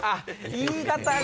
言い方が！